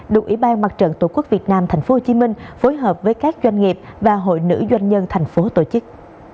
được ủy ban mặt trận tổ quốc việt nam tp hcm phối hợp với các doanh nghiệp và hội nữ doanh nhân thành phố tổ chức